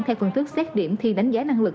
theo phương thức xét điểm thi đánh giá năng lực